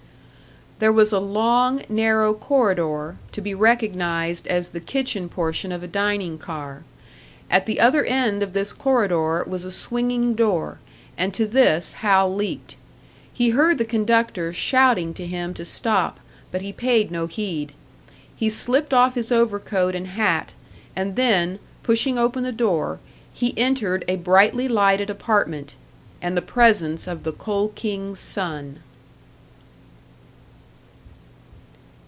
There was a long, narrow corridor, to be recognised as the kitchen portion of a dining car; at the other end of this corridor was a swinging door, and to this Hal leaped. He heard the conductor shouting to him to stop, but he paid no heed. He slipped off his over coat and hat; and then, pushing open the door, he entered a brightly lighted apartment and the presence of the Coal King's son.